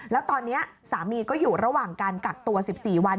แล้วตอนนี้สามีก็อยู่ระหว่างการกักตัว๑๔วัน